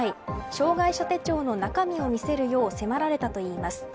障害者手帳の中身を見せるよう迫られたといいます。